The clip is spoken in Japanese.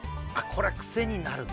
これはクセになるね